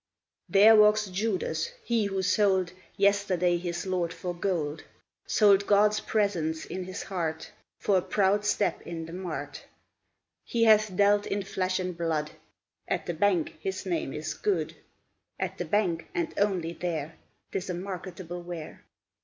There walks Judas, he who sold Yesterday his Lord for gold, Sold God's presence in his heart For a proud step in the mart; He hath dealt in flesh and blood, At the bank his name is good, At the bank, and only there, 'Tis a marketable ware.